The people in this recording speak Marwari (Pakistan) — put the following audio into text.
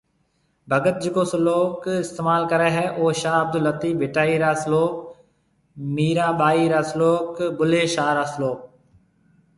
ڀگت جڪو سلوڪ استعمال ڪري هي او شاه عبدلطيف ڀٽائي رِا سلوڪ، ميران ٻائي را سلوڪ، بُلي شاه را سلوڪ